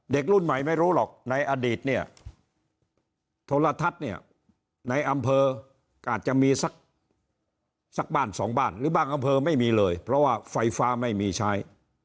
รุ่นใหม่ไม่รู้หรอกในอดีตเนี่ยโทรทัศน์เนี่ยในอำเภออาจจะมีสักบ้านสองบ้านหรือบางอำเภอไม่มีเลยเพราะว่าไฟฟ้าไม่มีใช้